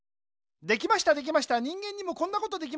できましたできました人間にもこんなことできました。